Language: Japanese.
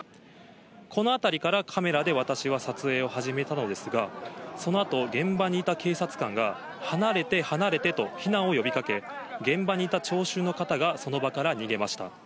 このあたりからカメラで私は撮影を始めたのですが、そのあと現場にいた警察官が、離れて、離れてと、避難を呼びかけ、現場にいた聴衆の方がその場から逃げました。